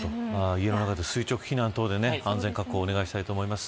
家の中で、垂直避難等で安全確保をお願いしたいと思います。